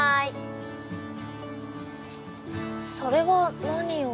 それは何を？